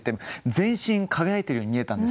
全身輝いてるように見えたんですよね。